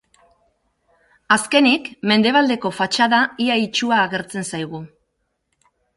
Azkenik, mendebaldeko fatxada ia itsua agertzen zaigu.